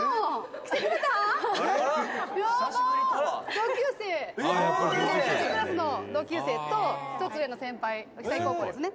「同級生同じクラスの同級生と１つ上の先輩久居高校ですね」